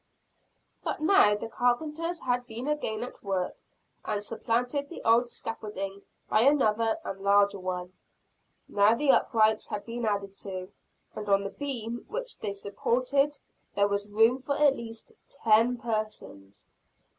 But now the carpenters had been again at work and supplanted the old scaffolding by another and larger one. Now the uprights had been added too and on the beam which they supported there was room for at least ten persons.